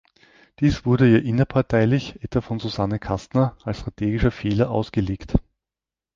Dies wurde ihr innerparteilich, etwa von Susanne Kastner, als strategischer Fehler ausgelegt.